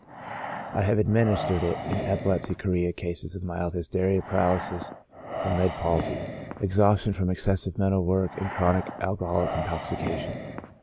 I have administered it in epilepsy, chorea, cases of mild hysteria, paralysis and lead palsy, exhaustion from excessive mental work, and chronic alchoholic intoxication.